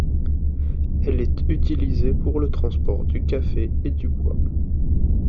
Elle est utilisée pour le transport du café et du bois.